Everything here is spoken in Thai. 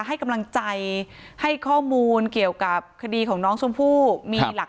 ให้กำลังใจให้ข้อมูลเกี่ยวกับคดีของน้องชมพู่มีหลัก